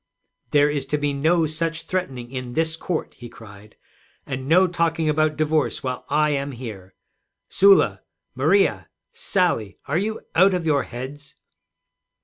'There is to be no such threatening in this court,' he cried; 'and no talking about divorce while I am here. Sula! Maria! Sally! Are you out of your heads?'